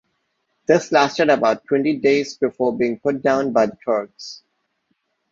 This lasted about twenty days before being put down by the Turks.